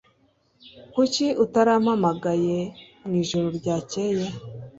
Kuki utarampamagaye mwijoro ryakeye?